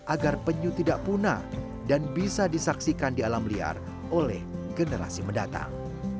agar penyu tidak punah dan bisa disaksikan di alam liar oleh generasi mendatang